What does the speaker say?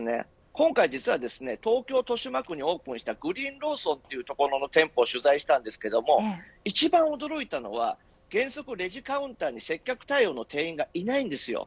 今回、実は東京豊島区にオープンしたグリーンローソンという所の店舗を取材したんですが一番驚いたのは原則レジカウンターに接客対応の店員がいないんですよ。